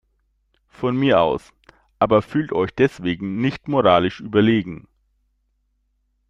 Von mir aus, aber fühlt euch deswegen nicht moralisch überlegen.